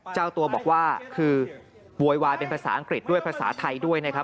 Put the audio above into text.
เจ้าตัวบอกว่าคือโวยวายเป็นภาษาอังกฤษด้วยภาษาไทยด้วยนะครับ